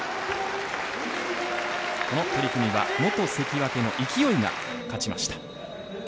この取組は元関脇の勢が勝ちました。